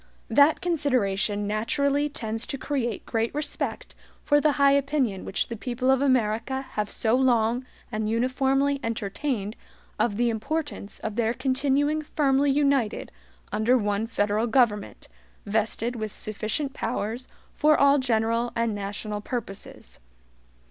That consideration naturally tends to create great respect for the high opinion which the people of America have so long and uniformly entertained of the importance of their continuing firmly united under one federal government, vested with sufficient powers for all general and national purposes.